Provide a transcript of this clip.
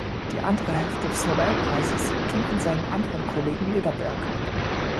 Die andere Hälfte des Nobelpreises ging an seinen anderen Kollegen Lederberg.